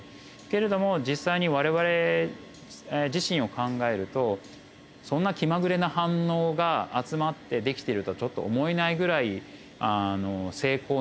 けれども実際に我々自身を考えるとそんな気まぐれな反応が集まって出来ているとはちょっと思えないぐらいあの精巧に出来ています。